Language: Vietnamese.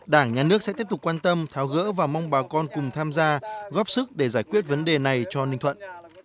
đảng nhà nước sẽ tiếp tục quan tâm tháo gỡ và mong bà con cùng tham gia góp sức để giải quyết vấn đề này cho ninh thuận